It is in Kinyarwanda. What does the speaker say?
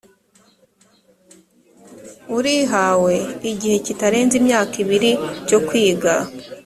ur ihawe igihe kitarenze imyaka ibiri cyo kwiga